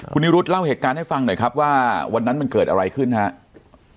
คุณนิรุธเล่าเหตุการณ์ให้ฟังหน่อยครับว่าวันนั้นมันเกิดอะไรขึ้นครับ